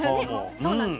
そうなんです。